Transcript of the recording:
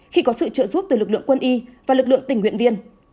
khi có sự trợ giúp từ lực lượng quân y và lực lượng tỉnh huyện viên